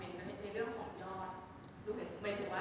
ที่เราตั้งแต่ละเดือนอะ